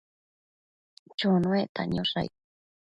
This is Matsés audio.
Chonuecta niosh aid ?